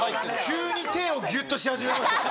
急に手をギュっとし始めましたよ。